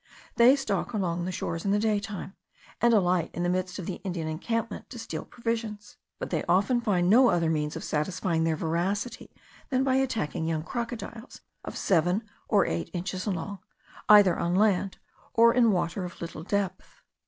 They stalk along the shores in the daytime, and alight in the midst of the Indian encampment to steal provisions; but they often find no other means of satisfying their voracity than by attacking young crocodiles of seven or eight inches long, either on land or in water of little depth.